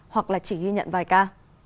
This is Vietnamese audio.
hoặc là chỉ ghi nhận vài ca